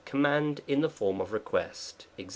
Command, in the form of request, ^a?.